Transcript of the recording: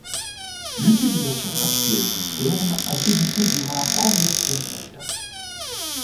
L'utilisation actuelle du terme a débuté durant la Première Guerre mondiale.